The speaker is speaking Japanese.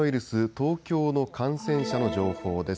東京の感染者の情報です。